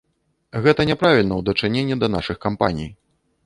Гэта няправільна ў дачыненні да нашых кампаній.